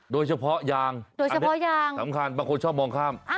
โดยเฉพาะยางสำคัญบางคนชอบมองข้าม